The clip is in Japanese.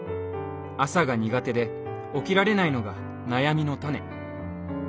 朝が苦手で起きられないのが悩みの種。